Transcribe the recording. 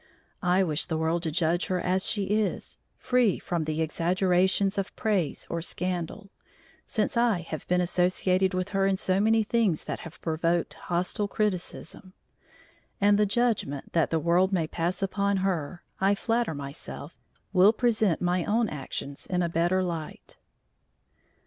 I wish the world to judge her as she is, free from the exaggerations of praise or scandal, since I have been associated with her in so many things that have provoked hostile criticism; and the judgment that the world may pass upon her, I flatter myself, will present my own actions in a better light.